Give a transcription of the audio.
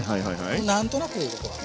何となくでいいここは。